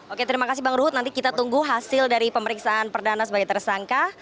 oke terima kasih bang ruhut nanti kita tunggu hasil dari pemeriksaan perdana sebagai tersangka